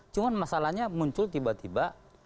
cuma masalahnya muncul tiba tiba